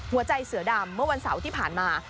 เสือดำเมื่อวันเสาร์ที่ผ่านมา